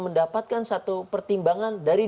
mendapatkan satu pertimbangan dari